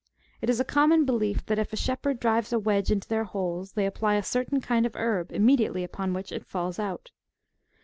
It is a common belief, that if a shepherd drives a wedge into their holes, they apply a certain kind of herb,*^^ immediately upon which it falls out.